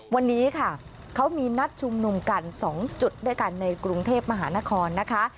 วันนี้ค่ะเขามีนัดชุมนุมกัน๒จุดด้วยกันในกรุงเทพมหานครนะคะ